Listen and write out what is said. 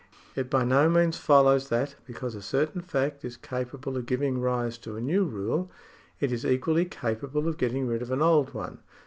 It by no means follow^s that, because a certain fact is capable of giving rise to a new rule, it is equally capable of getting rid of an old one.